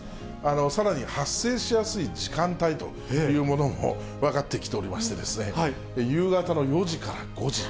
さらに発生しやすい時間帯というものも分かってきておりましてですね、夕方の４時から５時。